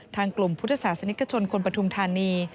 ทางกลุ่มพุทธศาสนิกชนคนปฐุมธานี